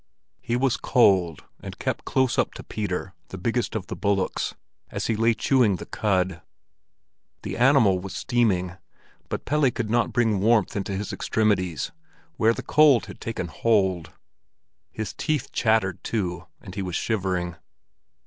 He was cold, and crept close up to Peter, the biggest of the bullocks, as he lay chewing the cud. The animal was steaming, but Pelle could not bring warmth into his extremities, where the cold had taken hold. His teeth chattered, too, and he was shivering.